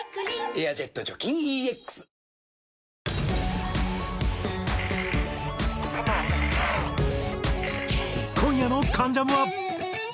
「エアジェット除菌ＥＸ」今夜の『関ジャム』は。